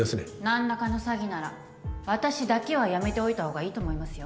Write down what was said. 何らかの詐欺なら私だけはやめておいた方がいいと思いますよ。